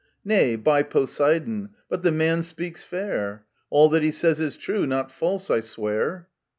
Nay, by Poseidon, but the man speaks fair : All that he says is true, not false, I swear